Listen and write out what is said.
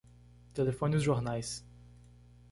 Telefone os jornais.